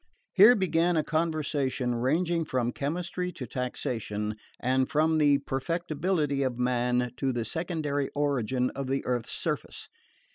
Here began a conversation ranging from chemistry to taxation, and from the perfectibility of man to the secondary origin of the earth's surface.